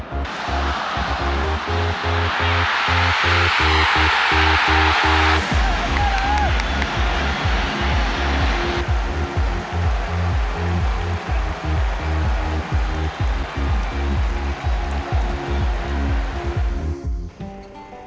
โอเค